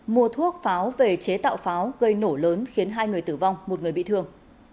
mua thuốc pháo về chế tạo pháo gây nổ lớn khiến hai người tử vong một người bị thương